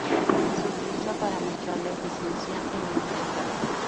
Se utiliza para mostrar la eficiencia en el intercambio.